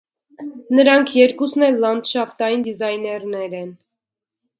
Նրանք երկուսն էլ լանդշաֆտային դիզայներներ են։